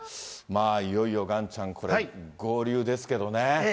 いよいよガンちゃん、これ、合流ですけどね。